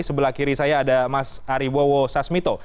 sebelah kiri saya ada mas ariwo sasmito